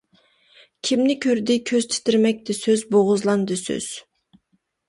كىمنى كۆردى كۆز تىترىمەكتە سۆز بوغۇزلاندى سۆز.